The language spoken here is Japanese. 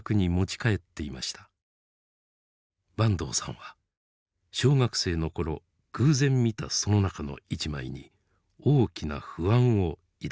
坂東さんは小学生の頃偶然見たその中の一枚に大きな不安を抱きます。